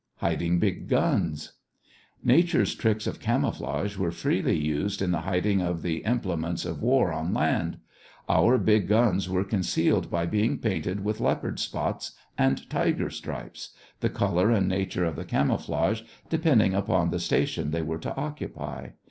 HIDING BIG GUNS Nature's tricks of camouflage were freely used in the hiding of the implements of war on land. Our big guns were concealed by being painted with leopard spots and tiger stripes, the color and nature of the camouflage depending upon the station they were to occupy.